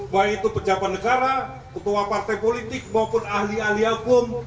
baik itu pejabat negara ketua partai politik maupun ahli ahli hukum